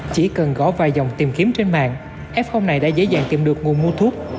chỉ cần gõ vài dòng tìm kiếm trên mạng fom này đã dễ dàng tìm được nguồn mua thuốc